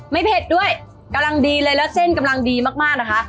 เผ็ดด้วยกำลังดีเลยแล้วเส้นกำลังดีมากมากนะคะ